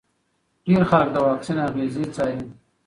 ډېر خلک د واکسین اغېزې څاري.